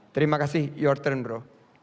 terima kasih your turn bro